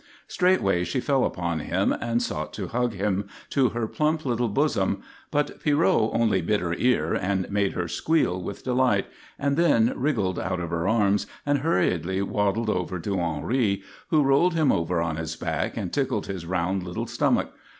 Straightway she fell upon him and sought to hug him to her plump little bosom, but Pierrot only bit her ear and made her squeal with delight, and then wriggled out of her arms and hurriedly waddled over to Henri, who rolled him over on his back and tickled his round little stomach.